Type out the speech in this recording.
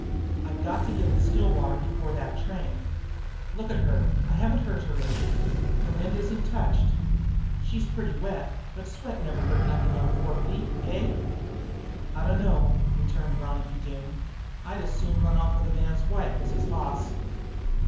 I've got to get to Stillwater before that train. Look at her! I haven't hurt her any. Her wind isn't touched. She's pretty wet, but sweat never hurt nothing on four feet, eh?" "I dunno," returned Ronicky Doone. "I'd as soon run off with a man's wife as his hoss."